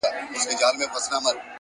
خپل وجدان تل ویښ وساتئ,